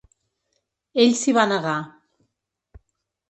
Ell s’hi va negar.